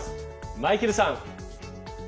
マイケルさん！